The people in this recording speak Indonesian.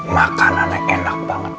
makanannya enak banget